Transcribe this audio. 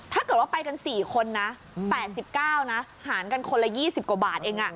ถ้าเกิดว่าไปกันสี่คนนะแปดสิบเก้านะหารกันคนละยี่สิบกว่าบาทเองอ่ะ